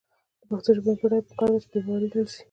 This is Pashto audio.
د پښتو ژبې د بډاینې لپاره پکار ده چې بېباوري لرې شي.